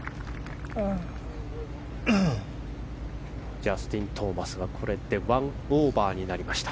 ジャスティン・トーマスはこれで１オーバーになりました。